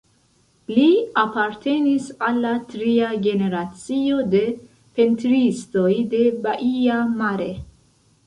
Li apartenis al la tria generacio de pentristoj de Baia Mare.